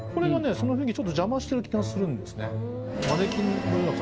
その雰囲気ちょっと邪魔してる気がするんですね。